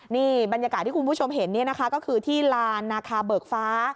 นี่บรรยากาศที่คุณผู้ชมเห็นนี่นะคะก็คือที่ลานนาคาเบิกฟ้า